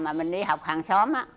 mà mình đi học hàng xóm á